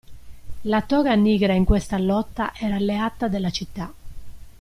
La Toga Nigra in questa lotta era alleata della città.